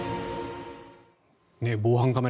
防犯カメラ